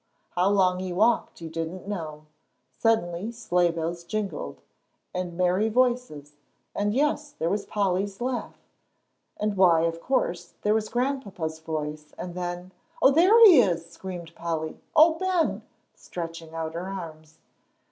How long he walked he didn't know. Suddenly sleigh bells jingled, and merry voices, and, yes, there was Polly's laugh, and, why, of course, there was Grandpapa's voice, and then, "Oh, there he is!" screamed Polly. "Oh, Ben!" stretching out her arms.